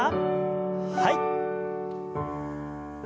はい。